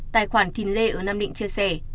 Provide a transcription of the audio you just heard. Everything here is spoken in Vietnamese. tài khoản thìn lê ở nam định chia sẻ